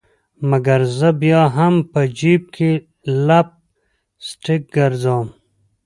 مګر زه بیا هم په جیب کي لپ سټک ګرزوم